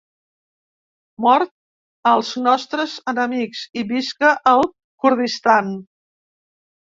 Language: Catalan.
Mort als nostres enemics, i visca el Kurdistan!